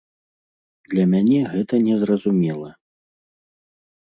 Для мяне гэта не зразумела.